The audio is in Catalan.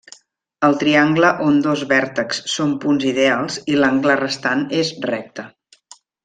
El triangle on dos vèrtexs són punts ideals i l'angle restant és recte.